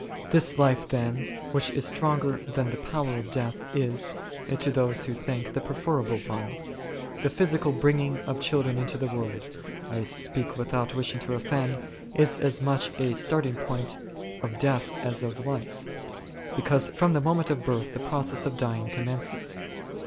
This life, then, which is stronger than the power of death, is, to those who think, the preferable one. The physical bringing of children into the world — I speak without wishing to offend — is as much a start ing point of death as of life ; because from the moment of birth the process of dying com mences.